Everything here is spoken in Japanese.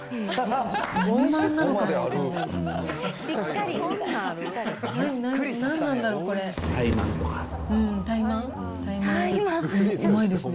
何まんなのかも分かんないですね。